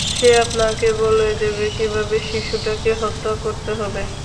সে আপনাকে বলে দেবে কীভাবে শিশুটাকে হত্যা করতে হবে!